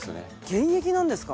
現役なんですか？